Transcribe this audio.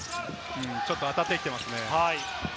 ちょっと当たってきてますね。